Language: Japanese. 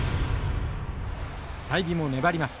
済美も粘ります。